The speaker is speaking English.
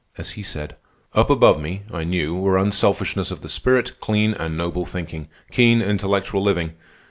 As he said: "Up above me, I knew, were unselfishnesses of the spirit, clean and noble thinking, keen intellectual living.